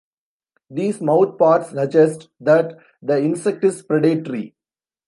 These mouthparts suggest that the insect is predatory.